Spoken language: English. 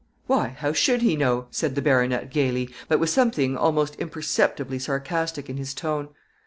"Why! how should he know," said the baronet, gaily, but with something almost imperceptibly sarcastic in his tone.